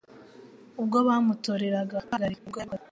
ubwo bamutoreraga kubahagararira nibwo yabikoze